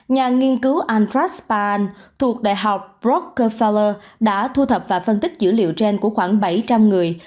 nhà nghiên cứu andras pan thuộc đại học rockefeller đã thu thập và phân tích dữ liệu trên của khoảng bảy trăm linh người